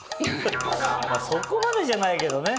そこまでじゃないけどね。